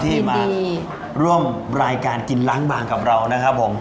ที่มาร่วมรายการกินล้างบางกับเรานะครับผม